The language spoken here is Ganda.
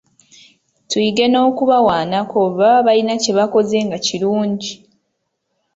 Tuyige n’okubawaanako bwe baba balina kye bakoze nga kirungi.